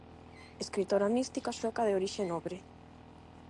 Escritora mística sueca de orixe nobre.